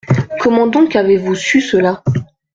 Comment donc avez-vous su cela ?